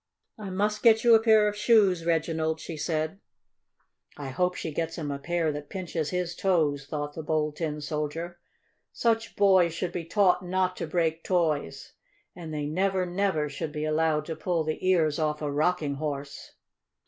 "I must get you a pair of shoes, Reginald," she said. "I hope she gets him a pair that pinches his toes!" thought the Bold Tin Soldier. "Such boys should be taught not to break toys, and they never, never should be allowed to pull the ears off a rocking horse."